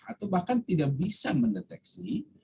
atau bahkan tidak bisa mendeteksi